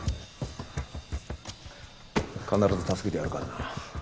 必ず助けてやるからな。